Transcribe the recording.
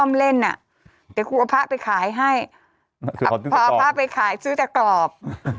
อ่ะเดี๋ยวคุณเอาผ้าไปขายให้พอเอาผ้าไปขายซื้อแต่กรอบ